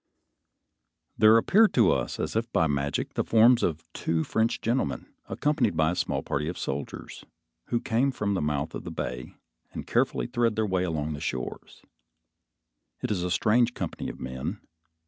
There appear to us, as if by magic, the forms of two French gentlemen accompanied by a small party of soldiers, who come from the mouth of the bay, and carefully thread their way along the shore. It is a strange company of men.